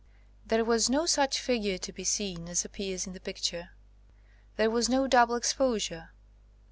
There was no such figure to be seen as appears in the picture. "There was no double exposure.